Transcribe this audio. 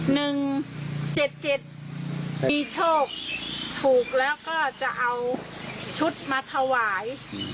หนึ่งเจ็ดเจ็ดมีโชคถูกแล้วก็จะเอาชุดมาถวาย